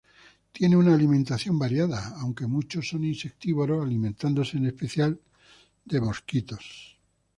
Tienen una alimentación variada, aunque muchos son insectívoros, alimentándose en especial de mosquitos.